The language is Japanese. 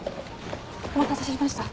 お待たせしました。